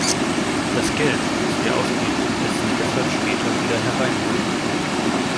Das Geld, das wir ausgeben, lässt sich deshalb später wieder hereinholen.